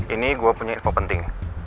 ini gue punya info penting